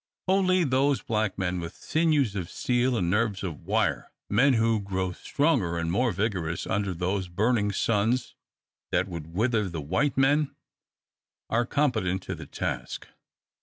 Only those black men, with sinews of steel and nerves of wire, men who grow stronger and more vigorous under those burning suns that wither the white men, are competent to the task.